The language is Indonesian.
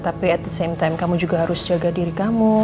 tapi at the same time kamu juga harus jaga diri kamu